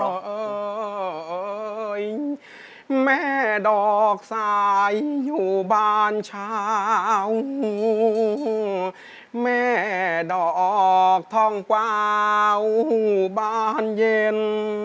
โอ้แม่ดอกสายอยู่บ้านเช้าแม่ดอกท้องกว้าอยู่บ้านเย็น